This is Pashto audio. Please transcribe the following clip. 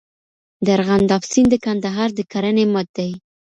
د ارغنداب سیند د کندهار د کرنې مټ دی.